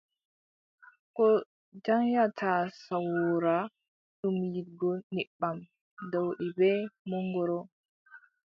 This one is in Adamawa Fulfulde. Ko jaanyata sawoora, ɗum yiɗgo nebbam, ɗowdi bee mongoro.